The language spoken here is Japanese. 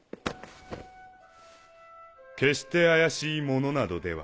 決して怪しい者などでは。